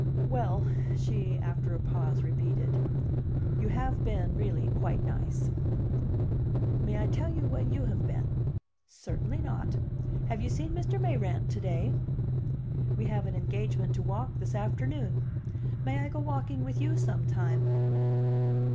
"Well," she, after a pause, repeated, "you have been really quite nice." "May I tell you what you have been?" "Certainly not. Have you seen Mr. Mayrant to day?" "We have an engagement to walk this afternoon. May I go walking with you sometime?"